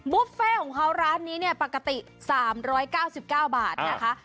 บุฟเฟ่ของเขาร้านนี้เนี่ยปกติ๓๙๙บาทนะคะ